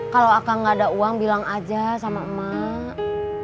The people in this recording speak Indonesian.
kalau akan gak ada uang bilang aja sama emak